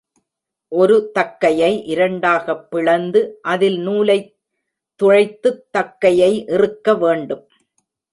ஒரு தக்கையை இரண்டாகப் பிளந்து அதில் நூலைதுழைத்துத் தக்கையை இறுக்க வேண்டும்.